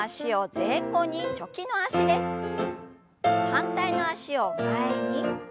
反対の脚を前に。